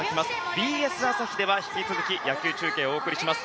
ＢＳ朝日では、引き続き野球中継をお送りします。